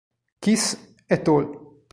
Kiss et al.